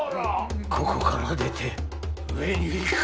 ここから出て上に行く！